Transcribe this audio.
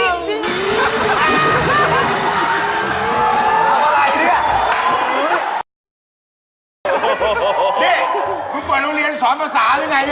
ดิคุณปล่อยโรงเรียนสอนภาษาหรือไงนี่